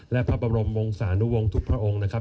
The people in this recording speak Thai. และพระบรมวงศานุวงศ์ทุกพระองค์นะครับ